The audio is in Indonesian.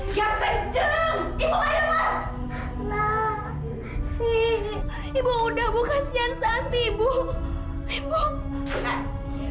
juga kan berdekatan hukuman seperti tadi